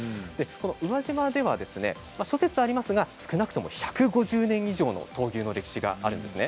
宇和島では諸説ありますが少なくとも１５０年以上闘牛の歴史があるんです。